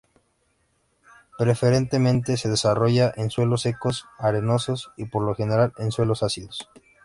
Preferentemente se desarrolla en suelos secos, arenosos y por lo general en suelos ácidos.